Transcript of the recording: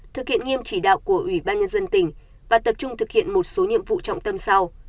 thực hiện nghiêm chỉ đạo của ủy ban nhân dân tỉnh và tập trung thực hiện một số nhiệm vụ trọng tâm sau